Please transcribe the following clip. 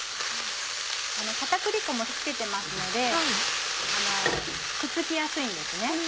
片栗粉も付けてますのでくっつきやすいんですね。